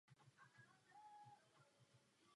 Hlasoval jsem pro zprávu.